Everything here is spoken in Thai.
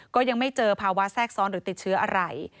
ก็ยังไม่เจอภาวะแทรกซ้อนหรือติดเชื้ออะไร